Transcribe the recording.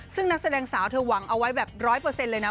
ซึ่งนักแสดงสาวเธอหวังเอาไว้แบบร้อยเปอร์เซ็นต์เลยนะ